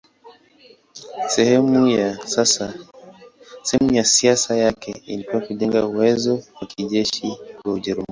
Sehemu ya siasa yake ilikuwa kujenga uwezo wa kijeshi wa Ujerumani.